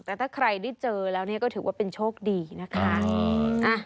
แต่ถ้าใครได้เจอแล้วเนี่ยก็ถือว่าเป็นโชคดีนะคะ